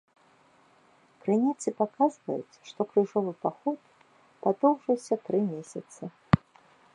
Крыніцы паказваюць, што крыжовы паход падоўжыўся тры месяцы.